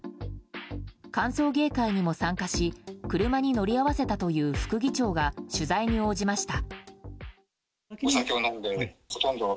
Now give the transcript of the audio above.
歓送迎会にも参加し車に乗り合わせたという副議長が取材に応じました。